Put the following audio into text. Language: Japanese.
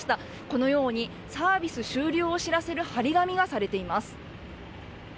このようにサービス終了を知らせる貼り紙がされています。